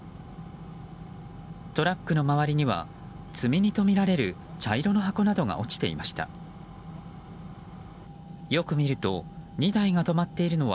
トラックの周りには積み荷とみられる茶色の箱などが落ちていました。